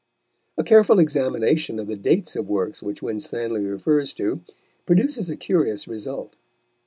A careful examination of the dates of works which Winstanley refers to, produces a curious result.